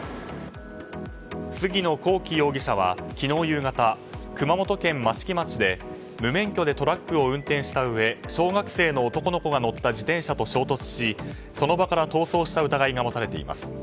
杉野光希容疑者は昨日夕方熊本県益城町で無免許でトラックを運転したうえ小学生の男の子が乗った自転車と衝突しその場から逃走した疑いが持たれています。